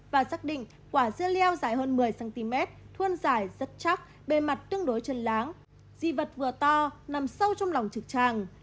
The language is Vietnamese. và xác định quả dưa leo dài hơn một mươi cm thuân dài rất chắc bề mặt tương đối chân láng di vật vừa to nằm sâu trong lòng trực tràng